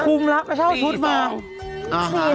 คุมรักมาเช่าชุดมากสี่แล้ว